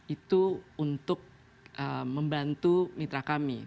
itu untuk membantu mitra kami